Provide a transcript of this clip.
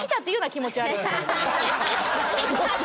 「気持ち悪い」。